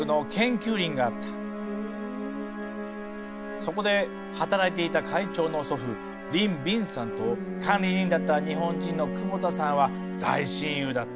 そこで働いていた会長の祖父林贍さんと管理人だった日本人の久保田さんは大親友だった。